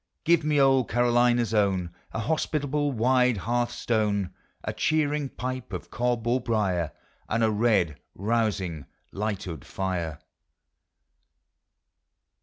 Give me old Carolina's own, A hospitable wide hearthstone, A cheering pipe of cob or briar, And a red, rousing light'ood fire.